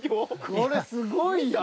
これすごいぞ。